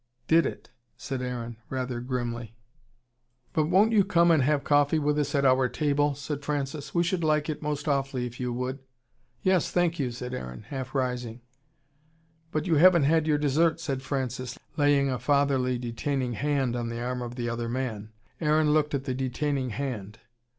"Did it," said Aaron, rather grimly. "But won't you come and have coffee with us at our table?" said Francis. "We should like it most awfully if you would." "Yes, thank you," said Aaron, half rising. "But you haven't had your dessert," said Francis, laying a fatherly detaining hand on the arm of the other man. Aaron looked at the detaining hand.